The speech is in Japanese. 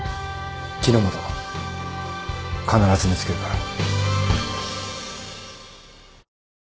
木之本必ず見つけるから。